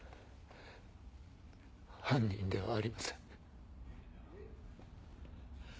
犯人ではありません。